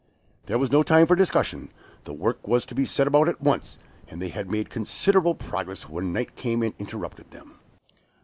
There was no time for discussion, the work was to be set about at once, and they had made considerable progress when night came and interrupted them.